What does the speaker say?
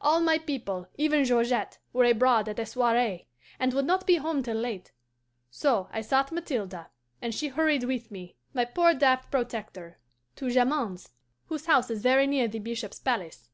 All my people, even Georgette, were abroad at a soiree, and would not be home till late. So I sought Mathilde, and she hurried with me, my poor daft protector, to Jamond's, whose house is very near the bishop's palace.